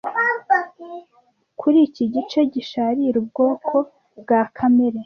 kuri iki gice gisharira ubwoko bwa kamere